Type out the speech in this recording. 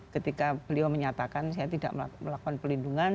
ketika beliau menyatakan saya tidak melakukan pelindungan